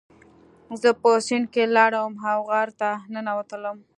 زه په سیند کې لاړم او غار ته ننوتلم.